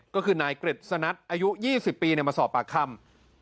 ก็คือนายกฤษณัทอายุ๒๐ปีมาสอบปากคำ